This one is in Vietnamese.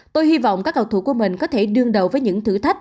tôi hy vọng các cầu thủ của mình có thể đương đầu với những thử thách